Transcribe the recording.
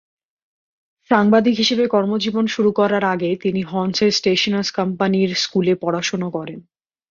সাংবাদিক হিসেবে কর্মজীবন শুরু করার আগে তিনি হর্নসের স্টেশনার্স কোম্পানির স্কুলে পড়াশোনা করেন।